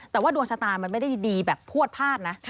แต่ว่าดวงชะตามันไม่ได้ดีแบบพวดพลาดนะ